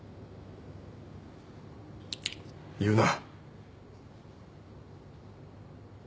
言うな。